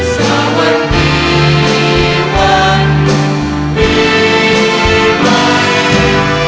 สวัสดีวันนี้ให้เธอ